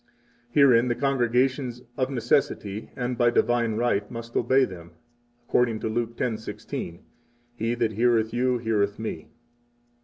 Herein the congregations of necessity and by divine right must obey them, according to Luke 10:16: He that heareth you heareth Me.